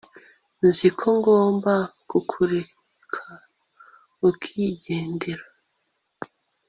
nzi ko ngomba kukureka ukigendera